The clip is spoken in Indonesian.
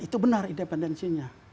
itu benar independensinya